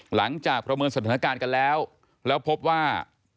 ประเมินสถานการณ์กันแล้วแล้วพบว่า